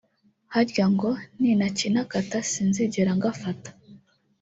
Harya ngo nintakina kata sinzigera ngafata